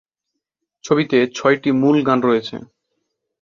ছবিতে ছয়টি মূল গান রয়েছে।